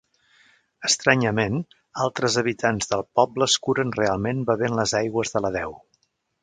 Estranyament, altres habitants del poble es curen realment bevent les aigües de la deu.